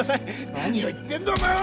何を言ってんだお前は！